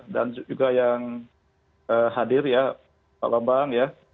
dan juga yang hadir ya pak bambang ya